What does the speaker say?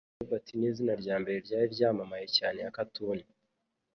Scoobert Nizina Ryambere Ryari Ryamamaye cyane ya Cartoon